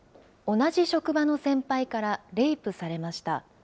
同じ職場の先輩からレイプされました。